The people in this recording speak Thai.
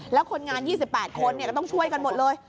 แล้วคนงาน๒๘คนก็ต้องช่วยกันหมดเลย